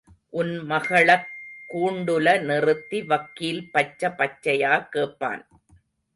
உன் மகளக் கூண்டுல நிறுத்தி வக்கீல் பச்ச பச்சயா கேப்பான்.